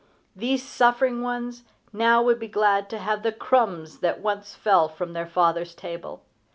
These suffering ones now would be glad to have the crumbs that once fell from their father's table.